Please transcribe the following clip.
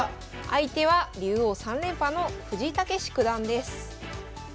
相手は竜王３連覇の藤井猛九段です。